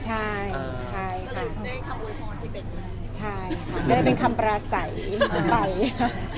ใช่ค่ะใช่ค่ะใช่ค่ะได้เป็นคำประศัยไม่ไป